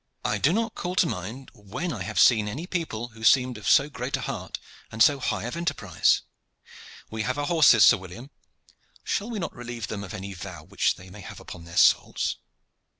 I do not call to mind when I have seen any people who seemed of so great a heart and so high of enterprise. We have our horses, Sir William: shall we not relieve them of any vow which they may have upon their souls?"